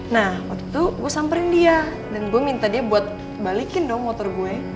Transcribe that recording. nah waktu itu gue samperin dia dan gue minta dia buat balikin dong motor gue